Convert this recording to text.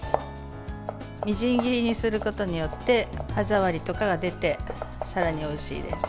みじん切りにすることによって歯ざわりとかが出てさらにおいしいです。